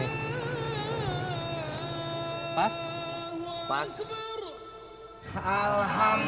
nah phase beduk untuk aku